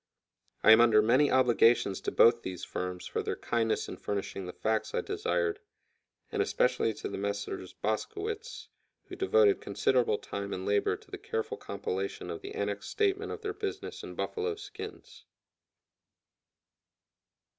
I am under many obligations to both these firms for their kindness in furnishing the facts I desired, and especially to the Messrs. Boskowitz, who devoted considerable time and labor to the careful compilation of the annexed statement of their business in buffalo skins.